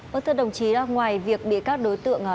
bác sĩ đồng chí ngoài việc bị các đối tượng